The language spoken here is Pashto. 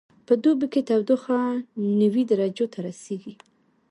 په دوبي کې تودوخه نوي درجو ته رسیږي